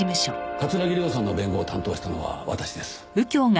桂木涼さんの弁護を担当したのは私です。